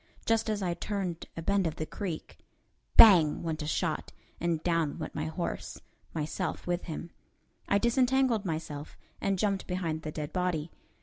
Just as I turned a bend of the creek, "bang!" went a shot, and down went my horse myself with him. I disentangled myself, and jumped behind the dead body.